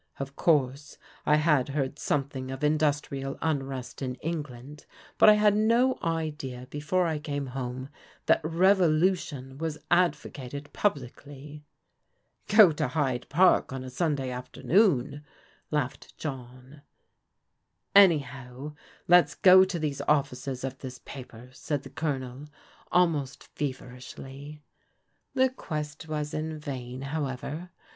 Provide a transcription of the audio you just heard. " Of course I had heard something of industrial unrest in England, but I had no idea before I came home that revolution was advocated publicly." "Go to Hyde Park on a Sunday aftemon," laughed John. "Anyhow, let's go to these offices of this paper," said the Colonel almost feverishly. The quest was in vain, however.